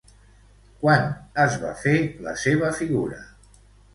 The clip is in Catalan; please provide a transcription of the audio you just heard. Quan es va fer, la seva figura?